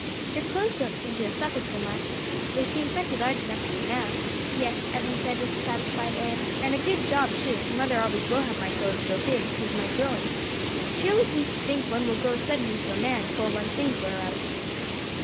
Your clothes don't seem to have suffered so much, they seem plenty large enough for you now." "Yes," Evan said, with a satisfied air, "and a good job too; mother always will have my clothes so big, cos of my growing. She always seems to think one will grow sudden into a man afore one's things wear out."